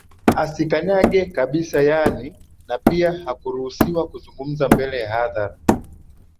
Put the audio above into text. Asikanyage kabisa yaani na pia hakuruhusiwa kuzungumza mbele ya hadhara